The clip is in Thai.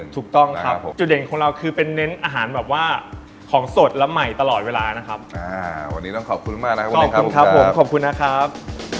ถูกต้องครับผมจุดเด่นของเราคือเป็นเน้นอาหารแบบว่าของสดและใหม่ตลอดเวลานะครับวันนี้ต้องขอบคุณมากนะครับขอบคุณครับผมขอบคุณนะครับ